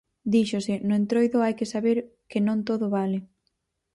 Díxose: No entroido hai que saber que non todo vale.